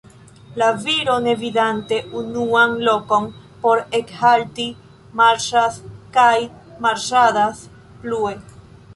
La viro, ne vidante unuan lokon por ekhalti, marŝas kaj marŝadas plue.